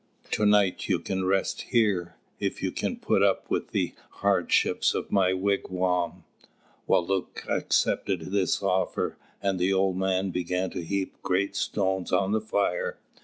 To night you can rest here, if you can put up with the hardships of my wigwam." Wālūt accepted this offer, and the old man began to heap great stones on the fire.